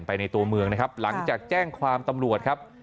ในตัวเมืองนะครับหลังจากแจ้งความตำรวจครับ